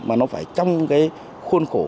mà nó phải trong cái khuôn khổ